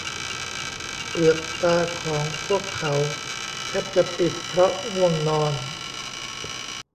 เปลือกตาของพวกเขาแทบจะปิดเพราะง่วงนอน